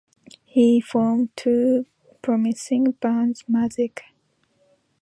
He formed two promising bands, Magic!